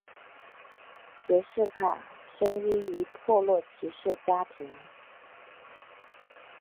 杰式卡生于一破落骑士家庭。